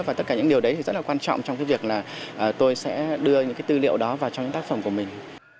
và tất cả những điều đấy thì rất là quan trọng trong cái việc là tôi sẽ đưa những cái tư liệu đó vào trong những tác phẩm của mình